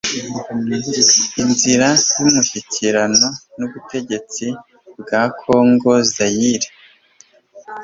inzira y imishyikirano n ubutegetsi bwa kongo zaire